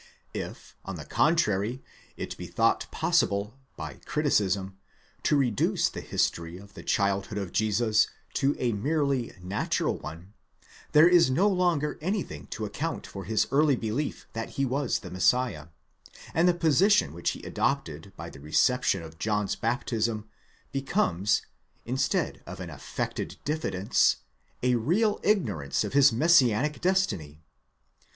If on the contrary it be thought possible, by criticism, to reduce the history of the childhood of Jesus to a merely natural one, there is no longer anything to account for his early belief that he was the Messiah ; and the position which he adopted by the reception of John's baptism becomes, instead of an affected diffidence, a real ignorance of his messianic destiny.